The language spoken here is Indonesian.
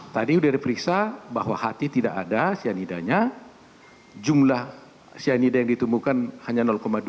tadi sudah diperiksa bahwa hati tidak ada cyanidanya jumlah cyanida yang ditemukan hanya dua